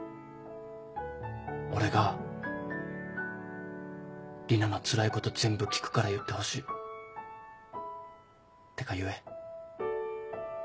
俺が里奈のつらいこと全部聞くから言ってほしい。ってか言え。